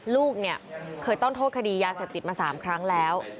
ลูกเนี่ยเคยต้องโทษคดียาเสพติดมา๓ครั้งแล้ว